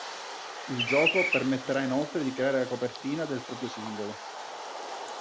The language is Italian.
Il gioco permetterà inoltre di creare la copertina del proprio singolo.